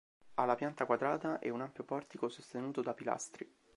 Ha la pianta quadrata e un ampio portico sostenuto da pilastri.